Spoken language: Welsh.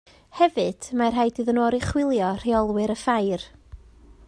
Hefyd mae rhaid iddyn nhw oruchwylio rheolwr y ffair